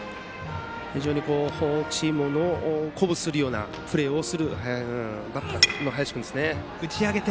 非常にチームを鼓舞するようなプレーをするバッターの林君ですね。